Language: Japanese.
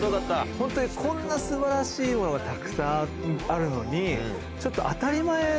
ホントにこんな素晴らしいものがたくさんあるのにちょっと。